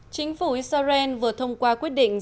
chính phủ israel vừa thông qua quyết định